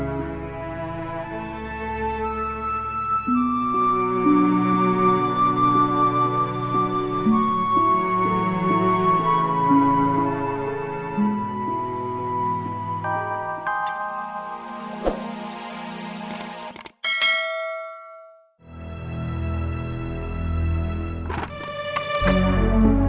aku sudah berhenti